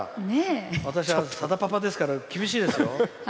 私は、さだパパですから厳しいですよ。